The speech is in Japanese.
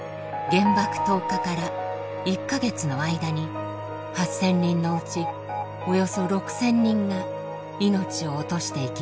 原爆投下から１か月の間に８，０００人のうちおよそ６，０００人が命を落としていきました。